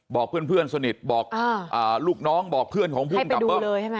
บอกเพื่อนเพื่อนสนิทบอกอ่าลูกน้องบอกเพื่อนของภูมิกับเบิ้มให้ไปดูเลยใช่ไหม